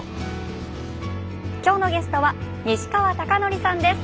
今日のゲストは西川貴教さんです。